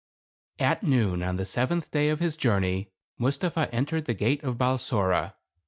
At noon, on the seventh day of his journey, Mustapha entered the gate of Balsora.